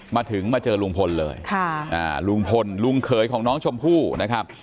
มาถึงมาเจอลุงพลเลยลุงพลลุงเขยของน้องชมพู่นะครับ